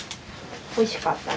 おいしかった？